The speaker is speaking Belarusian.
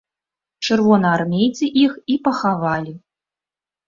Чырвонаармейцы іх і пахавалі.